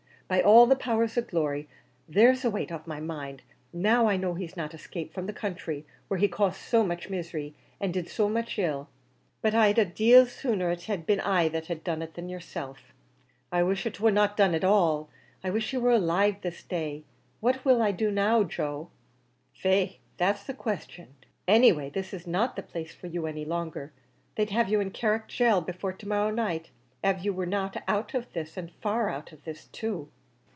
By all the powers of glory there's a weight off my mind now I know he's not escaped from the counthry, where he caused so much misery, and did so much ill. But I'd a deal sooner it had been I that done it than yourself." "I wish it war not done at all I wish he were alive this day. What will I do now, Joe?" "Faix, that's the question; any way, this is not the place for you any longer; they'd have you in Carrick Gaol before to morrow night, av you were not out of this, an' far out of this too."